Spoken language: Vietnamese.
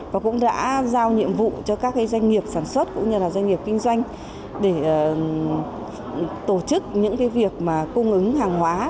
và cũng đã giao nhiệm vụ cho các doanh nghiệp sản xuất cũng như doanh nghiệp kinh doanh để tổ chức những việc cung ứng hàng hóa